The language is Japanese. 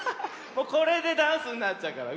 もうこれでダンスになっちゃうから。